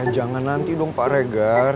jangan nanti dong pak regar